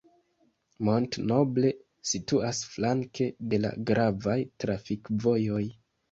Mont-Noble situas flanke de la gravaj trafikvojoj.